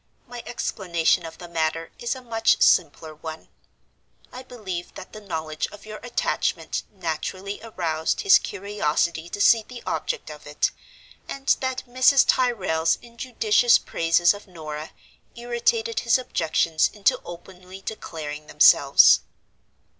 My explanation of the matter is a much simpler one. I believe that the knowledge of your attachment naturally aroused his curiosity to see the object of it, and that Mrs. Tyrrel's injudicious praises of Norah irritated his objections into openly declaring themselves.